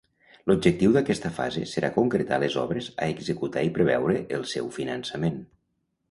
L'objectiu d'aquesta fase serà concretar les obres a executar i preveure el seu finançament.